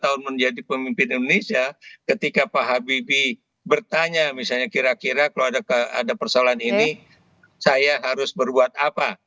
lima tahun menjadi pemimpin indonesia ketika pak habibie bertanya misalnya kira kira kalau ada persoalan ini saya harus berbuat apa